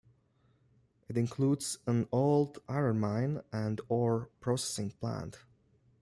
It includes an old iron mine and ore processing plant.